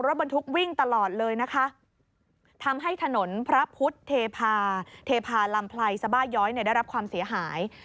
รถบรรทุกวิ่งตลอดเลยนะคะทำให้ถนนพระพุทธเทพาเทพาลำไพรสบาย้อยเนี่ยได้รับความเสียหาย